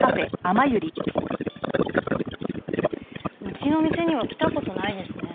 うちの店には来た事ないですね。